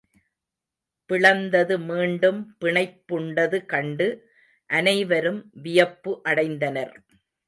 பிளந்தது மீண்டும் பிணைப்புண்டது கண்டு அனைவரும் வியப்பு அடைந்தனர்.